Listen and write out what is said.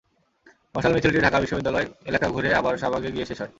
মশাল মিছিলটি ঢাকা বিশ্ববিদ্যালয় এলাকা ঘুরে আবার শাহবাগে গিয়ে শেষ হয়।